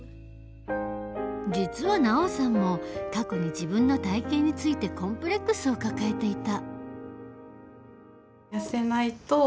実はＮＡＯさんも過去に自分の体型についてコンプレックスを抱えていた。